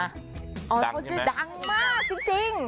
อ๋อเขาจะดังมากจริง